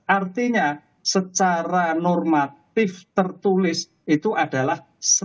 artinya secara normatif tertulis itu adalah